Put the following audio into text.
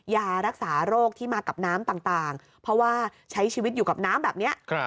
ยารักษาโรคที่มากับน้ำต่างเพราะว่าใช้ชีวิตอยู่กับน้ำแบบนี้